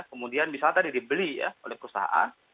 kemudian misalnya tadi dibeli ya oleh perusahaan